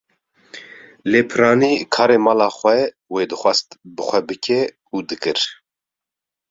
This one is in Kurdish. Lê piranî karê mala xwe wê dixwast bi xwe bike û dikir.